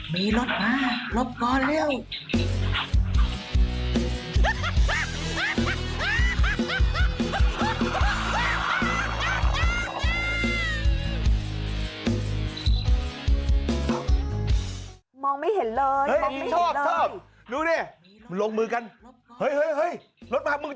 มีรถมารถก่อนเร็ว